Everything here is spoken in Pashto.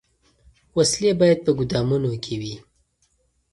وسلې باید په ګودامونو کي وي.